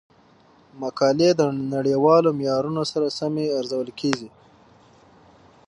مقالې د نړیوالو معیارونو سره سمې ارزول کیږي.